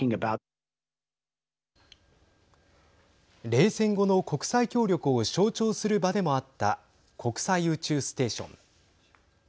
冷戦後の国際協力を象徴する場でもあった国際宇宙ステーション。